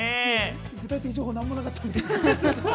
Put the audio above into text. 具体的な情報、なんもなかったんですけど。